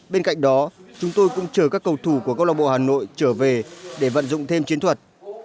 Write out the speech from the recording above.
bên cạnh đó chúng tôi cũng chờ các cầu thủ của câu lạc bộ hà nội trở về để vận dụng thêm chiến thuật